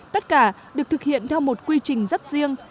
tất cả được thực hiện theo một quy trình rất riêng